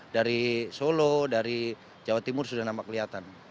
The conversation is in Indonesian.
dari solo dari jawa timur sudah nampak kelihatan